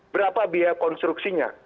berapa biaya konstruksinya